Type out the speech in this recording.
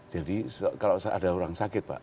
jadi kalau ada orang sakit pak